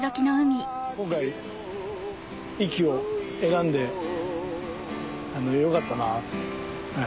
今回壱岐を選んでよかったなって。